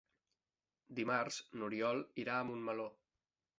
Dimarts n'Oriol irà a Montmeló.